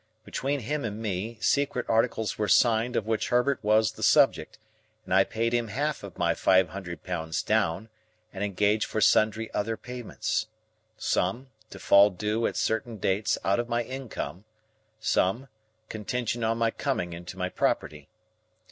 Between him and me, secret articles were signed of which Herbert was the subject, and I paid him half of my five hundred pounds down, and engaged for sundry other payments: some, to fall due at certain dates out of my income: some, contingent on my coming into my property.